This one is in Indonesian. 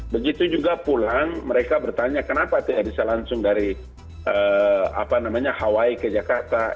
begitu juga pulang mereka bertanya kenapa tidak bisa langsung dari hawaii ke jakarta